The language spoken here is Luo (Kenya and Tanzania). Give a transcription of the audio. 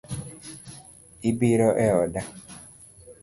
Ibiro eoda?